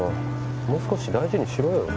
もう少し大事にしろよ